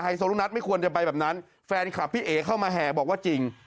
โซลูนัทไม่ควรจะไปแบบนั้นแฟนคลับพี่เอ๋เข้ามาแห่บอกว่าจริง